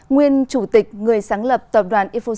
nguyên chủ tịch người sáng lập tập đoàn infosys ấn độ